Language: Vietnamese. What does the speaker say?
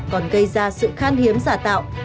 còn gây ra sự khan hiếm giả tạo